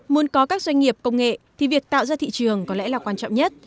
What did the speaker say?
muốn có các doanh nghiệp công nghệ thì việc tạo ra thị trường có lẽ là quan trọng nhất